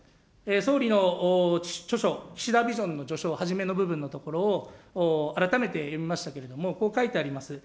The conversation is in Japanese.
総理の著書、岸田ビジョンの著書、初めの部分を改めて読みましたけれども、こう書いてあります。